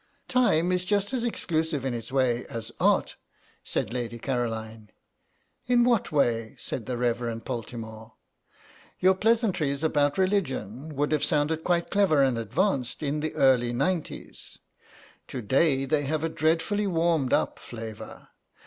"Time is just as exclusive in its way as Art," said Lady Caroline. "In what way?" said the Reverend Poltimore. "Your pleasantries about religion would have sounded quite clever and advanced in the early 'nineties. To day they have a dreadfully warmed up flavour.